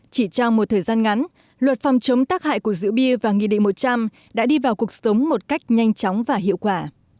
chỉ trong một thời gian ngắn luật phòng chống tác hại của rượu bia và nghị định một trăm linh đã đi vào cuộc sống một cách nhanh chóng và hiệu quả